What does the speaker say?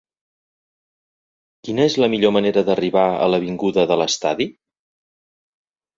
Quina és la millor manera d'arribar a l'avinguda de l'Estadi?